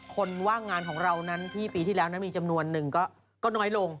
คนว่างงานของเรานั้นที่ปีที่แล้วนั้นมีจำนวนหนึ่งก็น้อยลง